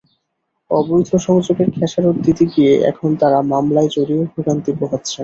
অবৈধ সংযোগের খেসারত দিতে গিয়ে এখন তাঁরা মামলায় জড়িয়ে ভোগান্তি পোহাচ্ছেন।